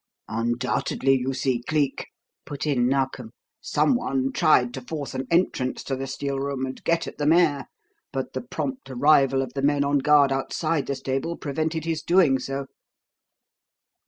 "Undoubtedly, you see, Cleek," put in Narkom, "someone tried to force an entrance to the steel room and get at the mare, but the prompt arrival of the men on guard outside the stable prevented his doing so."